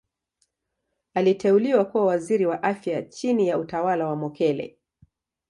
Aliteuliwa kuwa Waziri wa Afya chini ya utawala wa Mokhehle.